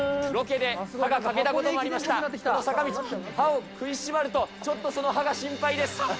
ロケで歯が欠けたことがありました、この坂道、歯を食いしばると、ちょっとその歯が心配です。